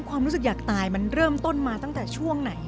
ความรู้สึกอยากตายมันเริ่มต้นมาตั้งแต่ช่วงไหน